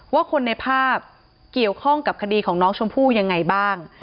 ว่าคนในภาพเกี่ยวข้องกับคดีของน้องชมพู่ยังไงบ้าง